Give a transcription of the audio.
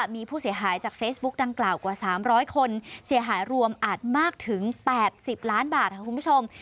มีผู้เสียหายจากเฟซบุ๊กดังกล่าวกว่า๓๐๐คนเสียหายรวมอาจมากถึง๘๐ล้านบาทค่ะคุณผู้ชม